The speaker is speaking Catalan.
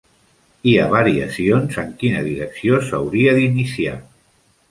Hi ha variacions en quina direcció s'hauria d'iniciar.